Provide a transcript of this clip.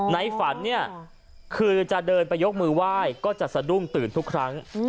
ในฝันเนี่ยคือจะเดินไปยกมือไหว้ก็จะสะดุ้งตื่นทุกครั้ง